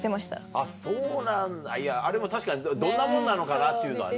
あっそうなんだいやあれも確かにどんなもんなのかな？っていうのはね。